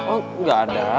oh gak ada